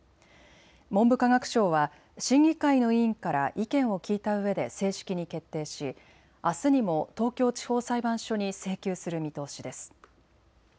文部科学省は審議会の委員から意見を聴いたうえで正式に決定しあすにも東京地方裁判所に請求する見通しです。